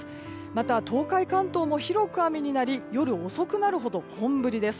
また、東海や関東も広く雨になり夜遅くなるほど本降りです。